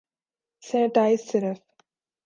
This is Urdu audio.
سینیٹائزر صرف ہا